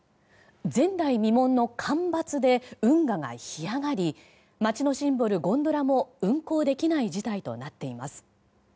前代未聞の干ばつで運河が干上がり街のシンボル、ゴンドラも運航できない事態となっています。